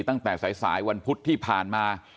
ตั้งแต่สายวันพุธที่ผ่านมา